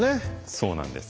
そうなんです。